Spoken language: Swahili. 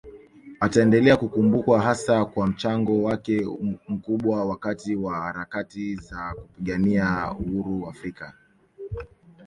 Ataendelea kukumbukwa hasa kwa mchango wake mkubwa wakati wa harakati za kupigania uhuru Afrika